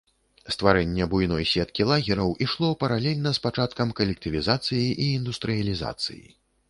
Стварэнне буйной сеткі лагераў ішло паралельна з пачаткам калектывізацыі і індустрыялізацыі.